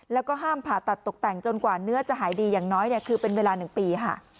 แล้วก็ห้ามผ่าตัดตกแต่งจนกว่าเนื้อจะหายดีอย่างน้อยคือเป็นเวลา๑ปีค่ะ